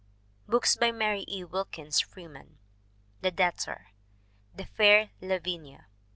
BOOKS BY MARY E. WILKINS FREEMAN The Debtor. The Fair Lavinia.